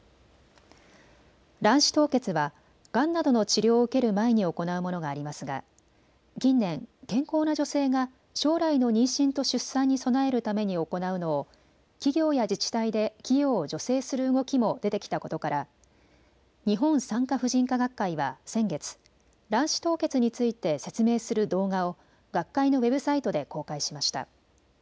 卵子凍結はがんなどの治療を受ける前に行うものがありますが近年、健康な女性が将来の妊娠と出産に備えるために行うのを企業や自治体で費用を助成する動きも出てきたことから日本産科婦人科学会は先月、卵子凍結について説明する動画を学会のウェブサイトで公開しました。